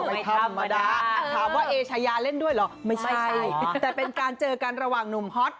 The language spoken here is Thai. ไม่ธรรมดาถามว่าเอชายาเล่นด้วยเหรอไม่ใช่แต่เป็นการเจอกันระหว่างหนุ่มฮอต